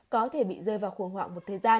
có thể bị rơi vào khủng hoảng một thời gian